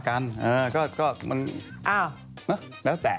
ก็จะมากันแล้วแต่